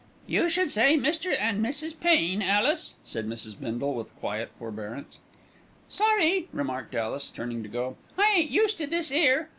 "You should say 'Mr. and Mrs. Pain,' Alice," said Mrs. Bindle with quiet forbearance. "Sorry," remarked Alice, turning to go. "I ain't used to this 'ere.